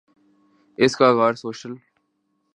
اس کا آغاز سوشل